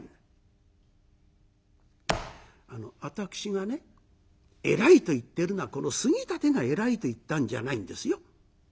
あの私がねえらいと言ってるのはこの杉立がえらいと言ったんじゃないんですよ。